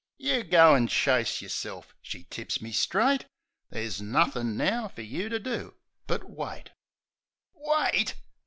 "You go an' chase yerself !" she tips me straight. "Ther's nothin' now fer you to do but — wait." Wait